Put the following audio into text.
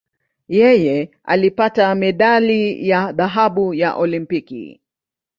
Yeye alipata medali ya dhahabu ya Olimpiki.